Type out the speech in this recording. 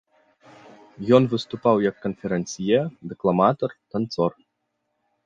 Ён выступаў як канферансье, дэкламатар, танцор.